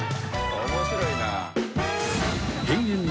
面白いな。